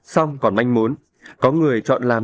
song còn manh muốn có người chọn làm